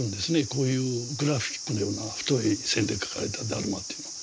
こういうグラフィックのような太い線で描かれたダルマっていうのは。